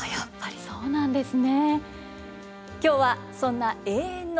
そうなんですよね。